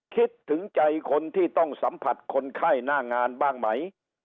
คิดถึงใจคนที่ต้องสัมผัสคนไข้หน้างานบ้างไหม